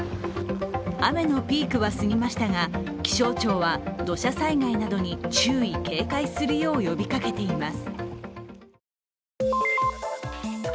雨のピークは過ぎましたが気象庁は土砂災害などに注意・警戒するよう呼びかけています。